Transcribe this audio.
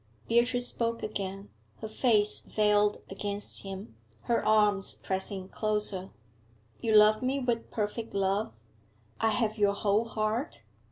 Beatrice spoke again, her face veiled against him, her arms pressing closer. 'You love me with perfect love? I have your whole heart?'